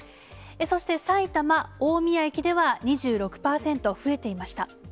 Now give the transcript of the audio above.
そして埼玉・大宮駅では２６％増えていました。